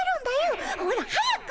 ほら早く。